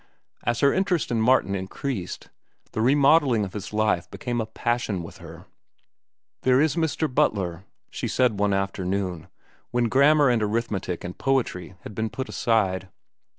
As her interest in Martin increased, the remodelling of his life became a passion with her. "There is Mr. Butler," she said one afternoon, when grammar and arithmetic and poetry had been put aside.